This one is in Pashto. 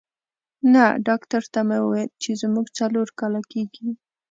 نه، ډاکټر ته مې وویل چې زموږ څلور کاله کېږي.